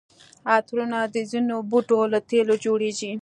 عطرونه د ځینو بوټو له تېلو جوړیږي.